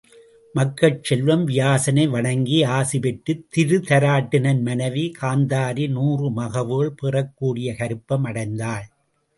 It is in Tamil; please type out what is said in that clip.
மக்கட் செல்வம் வியாசனை வணங்கி ஆசி பெற்றுத் திருதராட்டிரன் மனைவி காந்தாரி நூறு மகவுகள் பெறக்கூடிய கருப்பம் அடைந்தாள்.